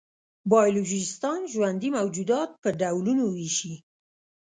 بایولوژېسټان ژوندي موجودات په ډولونو وېشي.